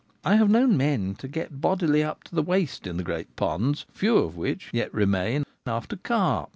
I have known men to get bodily up to the waist into the great ponds, a few of which yet remain, after carp.